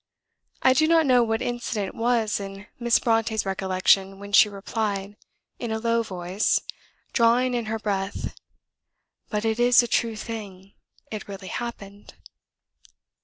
I do not know what incident was in Miss Brontë's recollection when she replied, in a low voice, drawing in her breath, "But it is a true thing; it really happened."